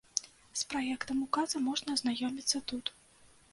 З праектам указа можна азнаёміцца тут.